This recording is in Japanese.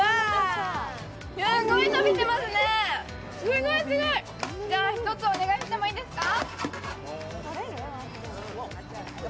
すごい伸びてますね、すごいすごいじゃ、１つお願いしてもいいですか。